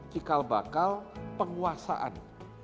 cikal bakal penguasaan